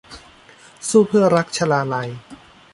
สู้เพื่อรัก - ชลาลัย